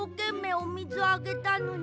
おみずをあげたのに。